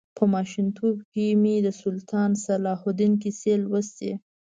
په ماشومتوب کې مې د سلطان صلاح الدین کیسې لوستې.